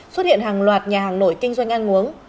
xuất hiện hàng loạt nhà hàng nổi kinh doanh ăn uống